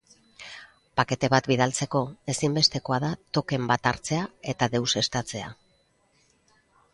Pakete bat bidaltzeko ezinbestekoa da token bat hartzea eta deuseztatzea.